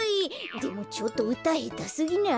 でもちょっとうたへたすぎない？